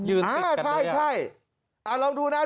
ยืนติดกันเลยอ่ะใช่อ่ะลองดูนะดูนะ